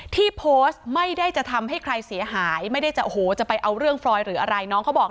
ที่โพสต์ไม่ได้จะทำให้ใครเสียหายไม่ได้จะไปเอาเรื่องฟรอยหรืออะไร